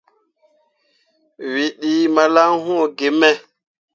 Wǝ ɗii malan wũũ gime.